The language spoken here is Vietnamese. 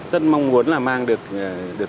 rất mong muốn là mang được